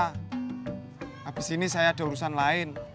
habis ini saya ada urusan lain